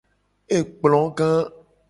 Ekplo ga.